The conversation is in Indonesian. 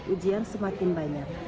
ujian semakin banyak